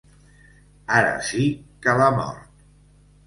Ara sí que l'ha mort.